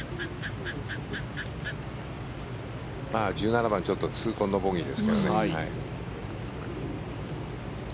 １７番痛恨のボギーですからね。